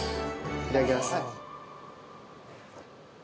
いただきます。